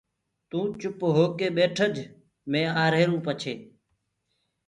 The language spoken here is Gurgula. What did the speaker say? تو چُپ هوڪي ٻيٺج مي آهيروٚ پڇي